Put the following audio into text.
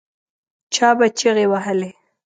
چا به چیغې وهلې.